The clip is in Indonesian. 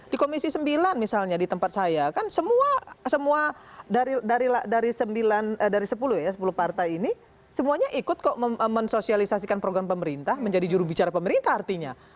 di komisi sembilan misalnya di tempat saya kan semua dari sepuluh ya sepuluh partai ini semuanya ikut kok mensosialisasikan program pemerintah menjadi jurubicara pemerintah artinya